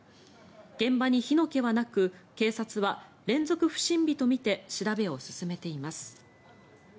現場に火の気はなく警察は連続不審火とみて調べを進めています。